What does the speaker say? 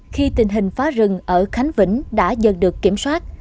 khi tình hình phá rừng ở khánh vĩnh đã dần được kiểm soát